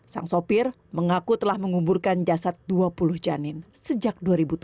sang sopir mengaku telah menguburkan jasad dua puluh janin sejak dua ribu tujuh belas